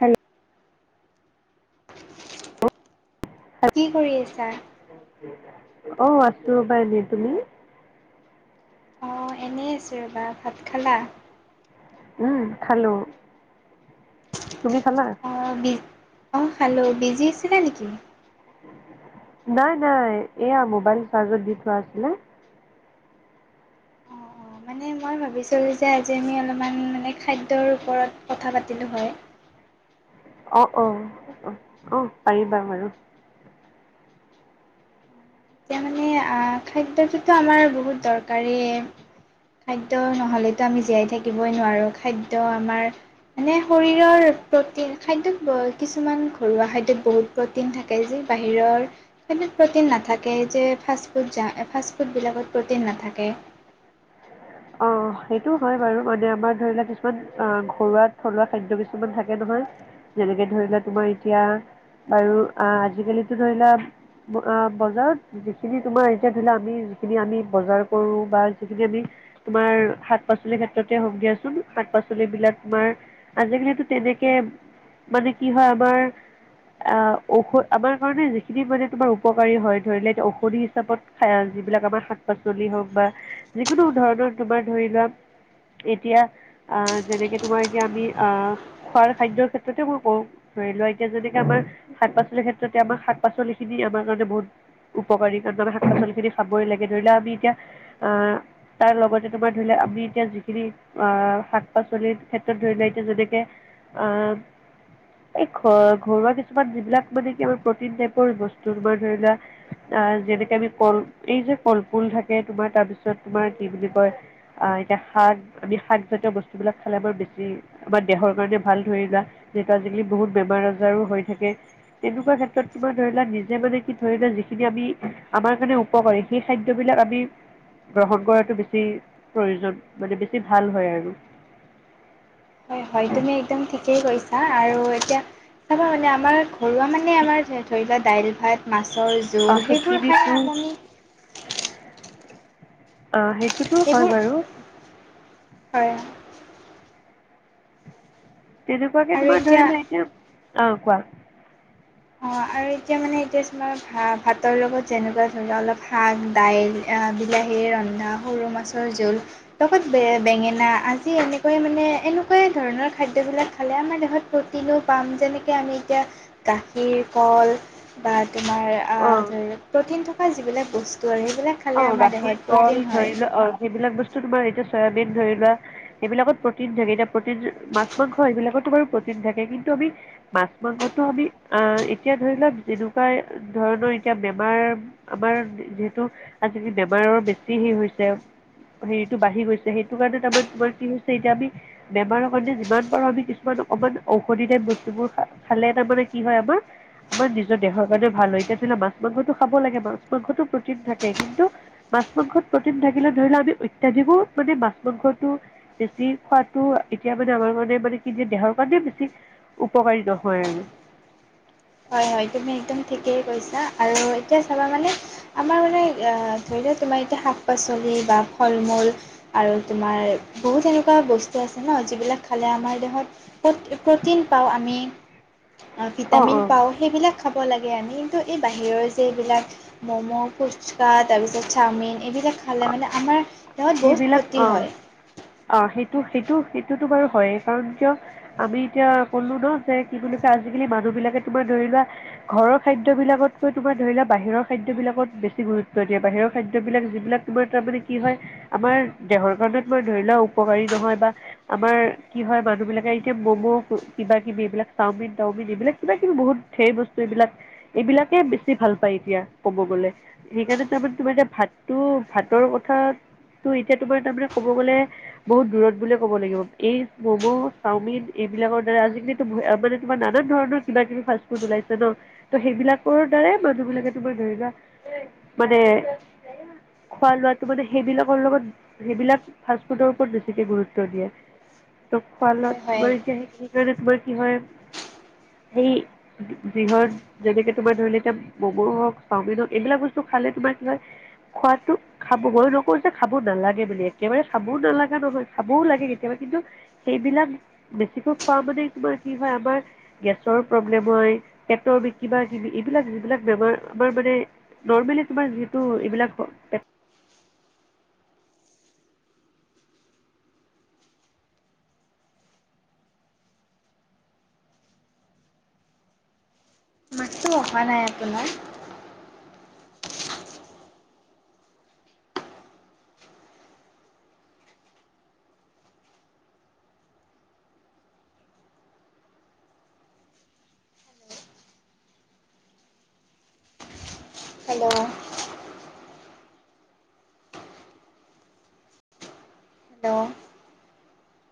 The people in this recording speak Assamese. হেল্ল' কি কৰি আছা? অ আছো পাই এনে তুমি? অ এনেই আছো ৰ'বা ভাত খালা। উম খালো। তুমি খালা অ বি অ খালো বিজি আছিলা নেকি। নাই নাই এয়া মোবাইল চাৰ্জত দি থোৱা আছিলে। ম ভাবিছিলো যে আজি আমি অলপমান মানে খাদ্যৰ ওপৰত কথা পাতিলো হয়। [inaudible] অ- অ- অ- অ পাৰিবা বাৰু। এতিয়া মানে আহ খাদ্যটোতো আমাৰ বহুত দৰকাৰীয়ে। খাদ্য নহলেতো আমি জীয়াই থাকিবই নোৱাৰো খাদ্য আমাৰ মানে শৰীৰৰ প্ৰটিন খাদ্যত কিছুমান ঘৰুৱা খাদ্যত বহুত প্ৰটিন থাকে যে। বাহিৰৰ সেটোত প্ৰটিন নাথাকে। কে যে ফাষ্টফুড যা ফাষ্টফুডবিলাকত প্ৰটিন নাথাকে। অ সেইটো হয় বাৰু মানে আমাৰ ধৰি লোৱা কিছুমান অ ঘৰুৱা থলুৱা খাদ্য কিছুমান থাকে নহয়। যেনেকে ধৰিলোৱা তোমাৰ এতিয়া বাৰু আ আজিকালিটো ধৰি লোৱা অ বজাৰত যিখিনি তোমাৰ এতিয়া ধৈলা আমি যিখিনি আমি বজাৰ কৰো বা যিখিনি আমি তোমাৰ শাক পাচলি ক্ষেত্ৰতে হওক দিয়াচোন শাক পাচলি বিলাক তোমাৰ আজিকালি তো তেনেকে মানে কি হয় আমাৰ। আ ঔষ আমাৰ কাৰণে যিখিনি মানে তোমাৰ উপকাৰী হয় ধৰি লোৱা এতিয়া ঔষধি হিচাপত খাই যিবিলাক আমাৰ শাক পাচলি হওক বা যিকোনো ধৰণৰ তোমাৰ ধৰি লোৱা এতিয়া আ যেনেকে তোমাৰ এতিয়া আমি আ খোৱাৰ খাদ্যৰ ক্ষেত্ৰতে মই কওঁ ধৰি লোৱা এতিয়া যেনেকে আমাৰ শাক পাচলিৰ ক্ষেত্ৰতে আমাৰ শাক পাচলি খিনি আমাৰ কাৰণে বহুত। উপকাৰী তাৰমানে শাক পাচলি খিনি খাবই লাগে ধৰি লও আমি এতিয়া আ তাৰ লগতে। তোমাৰ ধৰি লোৱা আমি এতিয়া যিখিনি আ শাক পাচলিৰ ক্ষেত্ৰত ধৰি লোৱা এতিয়া যেনেকৈ আ [unintelligible] এই ঘ ঘৰুৱা কিছুমান যিবিলাক মানে কি আ প্ৰটিন টাইপৰ বস্তু তোমাৰ ধৰি লোৱা আ যেনেকে আমি কল এই যে কলপুল থাকে তোমাৰ তাৰপিছত তোমাৰ কি বুলি কয় আ এতিয়া শাক আমি শাকজাতীয় বস্তুবিলাক খালে আমাৰ বেছি আমাৰ দেহৰ কাৰণে ভাল ধৰি লোৱা। যেতো আজিকালি বহুত বেমাৰ আজাৰো হৈ থাকে। তেনেকোৱা ক্ষেত্ৰত তোমাৰ ধৰি লোৱা নিজে মানে কি ধৰিলা যিখিনি আমি আমাৰ কাৰণে উপকাৰ সেই খাদ্যবিলা ক আমি গ্ৰহণ কৰাটো বেছি। প্ৰয়োজন মানে বেছি ভাল হয় আৰু হয় -হয় তুমি একদম ঠিকেই কৈছা আৰু এতিয়া চাবা মানে আমাৰ ঘৰুৱা মানে আমাৰ ধৰি লোৱা দাইল ভাত, মাছৰ আহ জোল সেইবোৰ খাই সেইখিনিতো আমনি অহ, সেইটোতো হয় সেইবোৰ বাৰু। হয়। তেনেকুৱাকে আৰু তোমাৰ এতিয়া ধৰি লোৱা এইটোব অহ কোৱা? অহ, আৰু এতিয়া মানে এতিয়া তোমাৰ ভা- ভাতৰ লগত যেনেকুৱা ধৰি লোৱা অলপ শাক- দাইল আ বিলাহীৰ ৰন্ধা সৰু মাছৰ জোল লগত বেঙেনা আজি এনেকৈয়ে মানে এনেকুৱাই ধৰণৰ খাদ্যবিলাক খালে আমাৰ দেহত প্ৰটিনো পাম যেনেকে আমি এতিয়া গা গাখীৰ, কল বা তোমাৰ আহ অঁ ধৰি ল প্ৰটিন থকা যিবিলাক বস্তু আৰু সেইবিলাক খালে অহ, আমাৰ গাখীৰ, দেহত কল প্ৰ'টিন হয় ধৰি লোৱা আ সেইবিলাক বস্তু তোমাৰ এতিয়া চয়াবিন ধৰি লোৱা এইবিলাকত প্ৰটিন থাকে এতিয়া প্ৰটিন মাছ- মাংস এইবিলাকতটো বাৰু প্ৰটিন থাকে কিন্তু আমি মাছ - মাংস টো আমি আহ এতিয়া ধৰি লোৱা যেনেকুৱা ধৰণৰ এতিয়া বেমাৰ আমাৰ যিহে টো আজাকালি বেমাৰৰ বেছি হে হৈছে হেৰিটো বাঢ়ি গৈছে সেইটো কাৰণে তাৰমানে তোমাৰ কি হৈছে এতিয়া আমি বেমাৰৰ কাৰণে যিমান পাৰো আমি কিছুমান ত অমান ঔষধি টাইপ বস্তুবোৰ খালে তাৰ মানে কি হয় আমাৰ আমাৰ নিজৰ দেহৰ কাৰণেও ভাল হয় এতিয়া ধৰি ল ' মাছ -মাংসটো খাব লাগে বাৰু মাছ মাংসটো প্ৰটিন থাকে কিন্তু [inaudible] মাছ- মাংসত প্ৰটিন থাকিলে ধৰি লও আমি অত্যাধিকো মানে মাছ- মাংসটো বেছি খোৱাটো এতিয়া মানে আমাৰ মানে -মানে কি যে দেহৰ কাৰণে বেছি উপকাৰী নহয় আৰু [inaudible] হয় -হয় তুমি একদম ঠিকেই কৈছা আৰু এতিয়া চাবা মানে আমাৰ মানে অহ ধৰি এ' তোমাৰ এতিয়া শাক -পাচলি বা ফল -মূল আৰু তোমাৰ বহুত এনেকুৱা বস্তু আছে ন', যিবিলাক খালে আমাৰ দেহত প্ৰটিন পাওঁ আমি অঁ ভিটামিন অঁ পাওঁ সেইবিলাক খাব লাগে আমি কিন্তু এই বাহিৰৰ যে এবিলাক ম'ম, ফুচকা তাৰপিছত চাওমিন এইবিলাক খালে অঁ মানে আমাৰ দেহত বহুত সেইবিলাক ক্ষতি অঁ হয়। অঁ সেইটো সেইটো -সেইটোতো বাৰু হয়য়েই কাৰণ কিয় আমি এতিয়া ক'লো ন' যে কি বুলি কয় আজিকালি মানুহ বিলাক তোমাৰ ধৰি লোৱা ঘৰৰ খাদ্যবিলাকতকৈ তোমাৰ ধৰি লোৱা বাহিৰৰ খাদ্যবিলাকত বেছি গুৰুত্ব দিয়ে বাহিৰৰ খাদ্যবিলাক যিবিলাক তোমাৰ তাৰমানে কি হয় আমাৰ দেহৰ কাৰণে তোমাৰ ধৰি লোৱা উপকাৰী নহয় বা আমাৰ কি হয়, মানুহ বিলাকে এতিয়া ম'ম কিবা -কিবি এইবিলাক চাওমিন -তাওমিন এইবিলাক কিবা -কিবি বহুত ধেৰ বস্তু এইবিলাক এইবিলাকে বেছি ভাল পায় এতিয়া কব গ'লে। সেইকাৰণে তাৰমানে তোমাৰ এতিয়া ভাতটো ভাতৰ কথাত টো এতিয়া তোমাৰ তাৰমানে কব গ'লে বহুত দূৰত বুল ক'ব লাগিব। এই ম'ম, চাওমিন এই সেইবিলাকৰ দ্বাৰা আজিকালিতো মানে তোমাৰ ননান ধৰণৰ কিবা- কিবি ফাষ্টফুড ওলাইছে ন', ত', সেইবিলাকৰ দ্বাৰা এ', মানুহবিলাকে তোমাৰ ধৰি লোৱা মানে [inaudible] খোৱা লোৱাটো মানে সেইবিলাকৰ লগত সেইবিলাক ফাস্তফুডৰ ওপৰত বেছিকে গুৰুত্ব দিয়ে [unintelligible] হয় হয় তোমাৰ কি হয় সেই যিহত যেনেকে তোমাৰ ধৰি লোৱা এতিয়া ম'ম হওঁক চাওমিন হওঁক এইবিলাক বস্তু খালে তোমাৰ কিবা খোৱাতো খাব মই নকওঁ যে খাব নালাগে বুলি একেবাৰে খাবও নালাগা নহয়, খাবও লাগে কেতিয়াবা কিন্তু কি সেইবিলাক বেছিকৈ খোৱা মানে তোমাৰ কি হয় আমাৰ গেছৰ প্ৰব্লেম হয় পেটৰ বি কিবা- কিবি এইবিলাক যিবিলাক বেমাৰ আমাৰ মানে নৰ্মেলি তোমাৰ যিতু এইবিলাক [unintelligible] মাতটো অহা নাই আপোনাৰ? Hello, hello